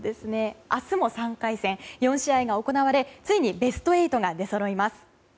明日も３回戦４試合が行われついにベスト８が出そろいます。